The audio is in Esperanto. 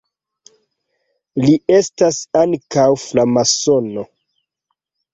Li estis ankaŭ framasono.